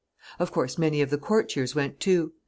Of course, many of the courtiers went too.